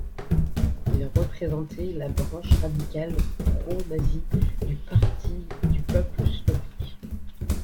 Il représentait la branche radicale pronazie du Parti du peuple slovaque.